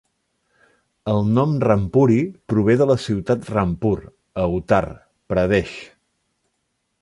El nom Rampuri prové de la ciutat de Rampur, a Uttar Pradesh.